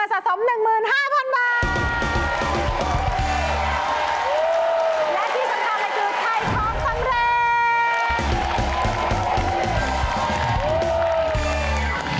และที่สำคัญก็คือใครพร้อมสำเร็จ